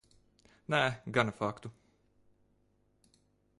Nē, gana faktu.